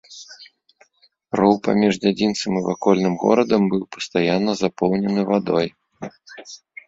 Роў паміж дзядзінцам і вакольным горадам быў пастаянна запоўнены вадой.